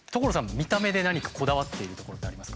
見た目で何かこだわっているところってあります？